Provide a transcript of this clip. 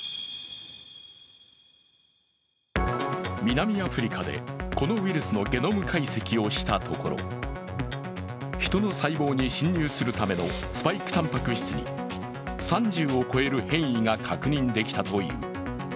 南アフリカで、このウイルスのゲノム解析をしたところ、人の細胞に侵入するためのスパイクたんぱく質に３０を超える変異が確認できたという。